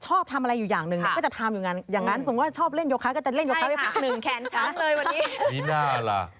โอ้ยแต่ฉันเองค่ะ